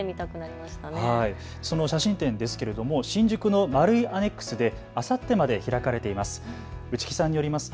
その写真展ですが新宿のマルイアネックスであさってまで開かれています。